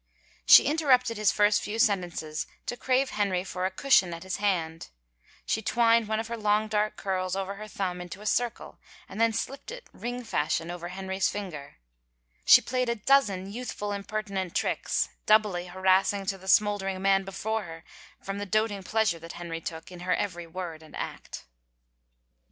She interrupted his first few sentences to crave Henry for a cushion at his hand ; she twined one of her long dark curls over her thumb into a circle and then slipped it, ring fashion over Henry's finger; she played a dozen youthful impertinent tricks, doubly harassing to the smoldering man before her from the doting pleasure that Henry took in her every word and act.